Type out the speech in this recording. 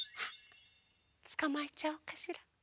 つかまえちゃおうかしら。